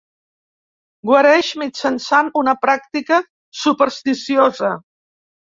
Guareix mitjançant una pràctica supersticiosa.